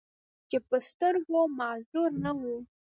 چې پۀ سترګو معذور نۀ وو،